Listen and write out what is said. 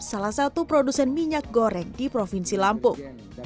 salah satu produsen minyak goreng di provinsi lampung